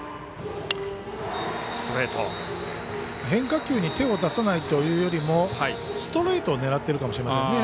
変化球に手を出さないというよりもストレートを狙っているかもしれません。